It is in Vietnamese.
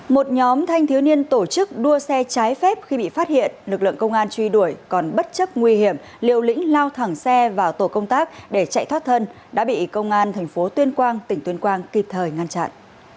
một nhóm thanh thiếu niên tổ chức đua xe trái phép khi bị phát hiện lực lượng công an truy đuổi còn bất chấp nguy hiểm liều lĩnh lao thẳng xe vào tổ công tác để chạy thoát thân đã bị công an thành phố tuyên quang tỉnh tuyên quang kịp thời ngăn chặn